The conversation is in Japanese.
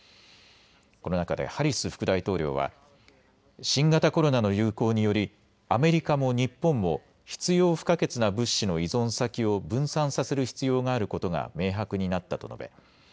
この中でハリス副大統領は新型コロナの流行によりアメリカも日本も必要不可欠な物資の依存先を分散させる必要があることが明確になったと述べ